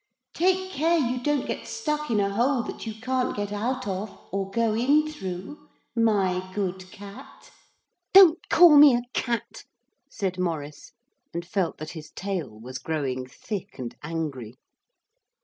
Take care you don't get stuck in a hole that you can't get out of or go in through, my good cat.' 'Don't call me a cat,' said Maurice, and felt that his tail was growing thick and angry.